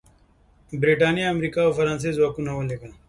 برېټانیا، امریکا او فرانسې ځواکونه ولېږل.